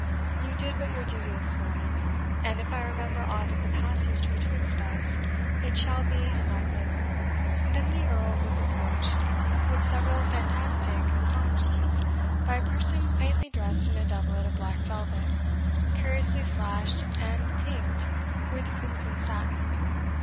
You did but your duty this morning; and if I remember aught of the passage betwixt us, it shall be in thy favour." Then the Earl was approached, with several fantastic congees, by a person quaintly dressed in a doublet of black velvet, curiously slashed and pinked with crimson satin.